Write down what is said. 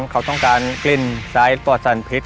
เค้าต้องการกลิ่นจ่ายสังกรรมสัญพิษ